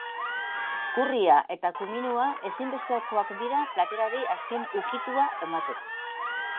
Currya eta kuminoa ezinbestekoak dira platerari azken ukitua emateko.